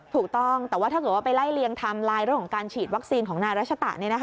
ถูกต้องแต่ว่าถ้าเกิดว่าไปไล่เลียงไทม์ไลน์เรื่องของการฉีดวัคซีนของนายรัชตะ